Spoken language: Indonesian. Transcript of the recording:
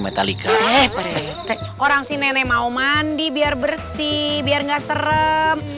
eh pak rete orang si nenek mau mandi biar bersih biar gak serem